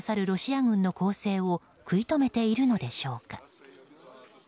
ロシア軍の攻勢を食い止めているのでしょうか。